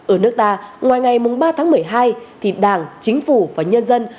ở nước ta ngoài ngày ba tháng một mươi hai thì đảng chính phủ và nhân dân